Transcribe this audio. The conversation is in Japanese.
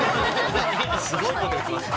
・すごいこと言ってます。